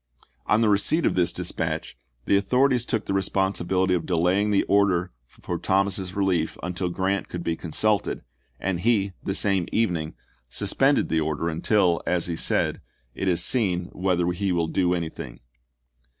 On the receipt of this p. 255." dispatch the authorities took the responsibility of delaying the order for Thomas's relief until Grant could be consulted, and he, the same evening, sus pended the order until, as he said, "it is seen ibid., p. 256. whether he will do anything."